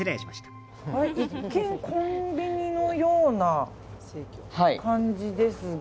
一見コンビニのような感じですが。